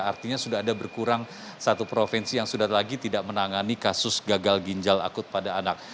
artinya sudah ada berkurang satu provinsi yang sudah lagi tidak menangani kasus gagal ginjal akut pada anak